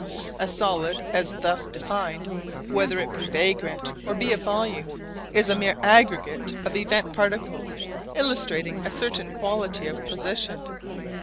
A solid as thus defined, whether it be vagrant or be a volume, is a mere aggregate of event particles illustrating a certain quality of position.